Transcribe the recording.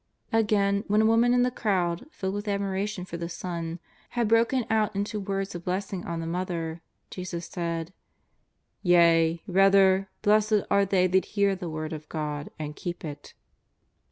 '^' Again, when a woman in the crowd, filled with ad miration for the Son, had broken out into words of blessing on the Mother, Jesus said :^' Yea, rather, blessed are they that hear the word of God and keep it."